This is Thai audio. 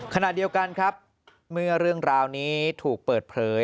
ขณะเดียวกันครับเมื่อเรื่องราวนี้ถูกเปิดเผย